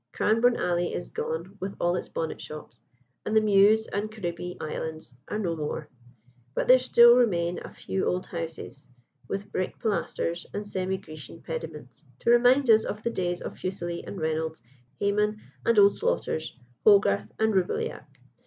Cranbourne Alley is gone with all its bonnet shops, and the Mews and C'ribbee Islands are no more, but there still remain a few old houses, with brick pilasters and semi Grecian pediments, to remind us of the days of Fuseli and Reynolds, Hayman and Old Slaughter's, Hogarth and Roubilliac.